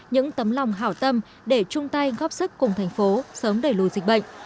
những tấm lòng hảo tâm để chung tay góp sức cùng thành phố sớm đẩy lùi dịch bệnh